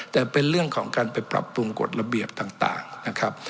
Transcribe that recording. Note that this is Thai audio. แต่เป็นเรื่องของการไปปรับปรุงกฎระเบียบต่างนะครับ